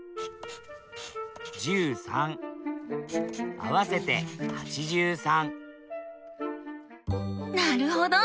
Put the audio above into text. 合わせて８３なるほど！